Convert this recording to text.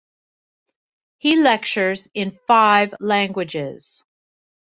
He lectures in five languages.